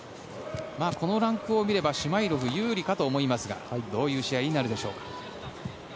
このランクを見ればシュマイロフ優位かと思いますがどういう試合になるでしょうか。